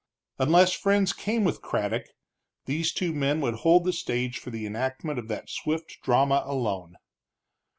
Unless friends came with Craddock, these two men would hold the stage for the enactment of that swift drama alone.